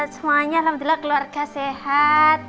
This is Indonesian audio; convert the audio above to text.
semuanya alhamdulillah keluarga sehat